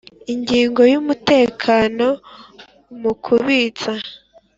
ingingo y umutekano mu kubitsa